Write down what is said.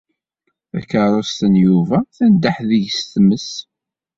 Takeṛṛust n Yuba tendeḥ deg-s tmes.